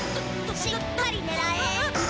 しっかり狙えーっ！